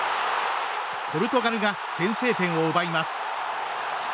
ポルトガルが先制点を奪います。